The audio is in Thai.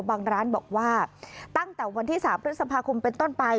บางร้านบอกว่าตั้งแต่วันที่๓พฤษภาคมเป็นต้นไป